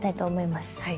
はい。